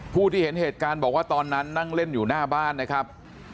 ผู้ที่เห็นเหตุการณ์บอกว่าตอนนั้นนั่งเล่นอยู่หน้าบ้านนะครับ